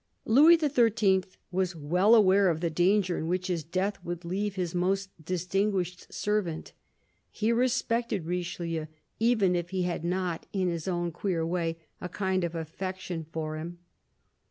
Louis XIII. was well aware of the danger in which his death would leave his most distinguished servant. He respected Richelieu, even if he had not, in his own queer way, a kind of affection for him.